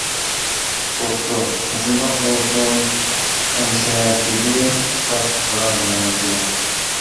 بوپتۇ مۇشۇنداق بولسۇن ئەمىسە-دېدى باشلىق رازىمەنلىك بىلەن.